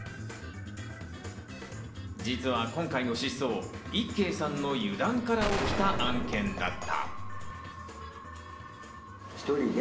実は今回の失踪、いっけいさんの油断から起きた案件だった。